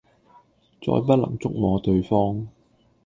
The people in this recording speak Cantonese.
再不能觸摸對方